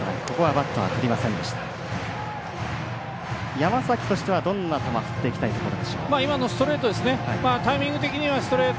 山崎としてはどんな球振っていきたいところでしょう。